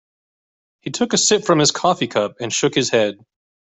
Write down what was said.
He took a sip from his coffee cup and shook his head.